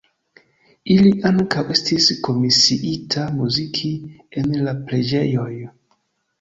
Ili ankaŭ estis komisiita muziki en la preĝejoj.